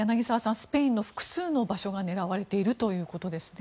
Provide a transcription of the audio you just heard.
スペインの複数の場所が狙われているということです。